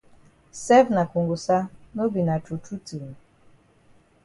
Sef na kongosa no be na true true tin?